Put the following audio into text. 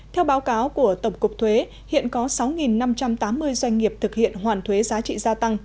theo báo cáo của tổng cục thuế hiện có sáu năm trăm tám mươi doanh nghiệp thực hiện hoàn thuế giá trị gia tăng